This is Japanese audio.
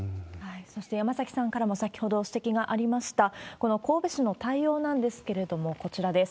そして山崎さんからも先ほど指摘がありました、この神戸市の対応なんですけれども、こちらです。